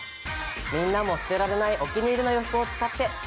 みんなも捨てられないお気に入りの洋服を使って。